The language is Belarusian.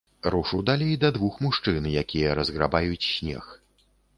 Рушу далей да двух мужчын, якія разграбаюць снег.